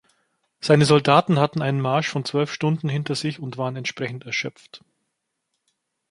Seine Soldaten hatten einen Marsch von zwölf Stunden hinter sich und waren entsprechend erschöpft.